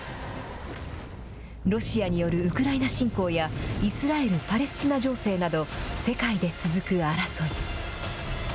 ロシアによるウクライナ侵攻や、イスラエル・パレスチナ情勢など、世界で続く争い。